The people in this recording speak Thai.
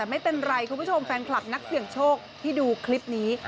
ไม่เป็นไรคุณผู้ชมแฟนคลับนักเสี่ยงโชคที่ดูคลิปนี้